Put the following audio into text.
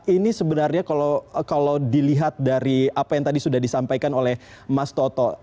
ini sebenarnya kalau dilihat dari apa yang tadi sudah disampaikan oleh mas toto